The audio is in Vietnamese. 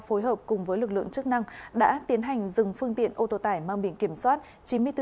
phối hợp cùng với lực lượng chức năng đã tiến hành dừng phương tiện ô tô tải mang biển kiểm soát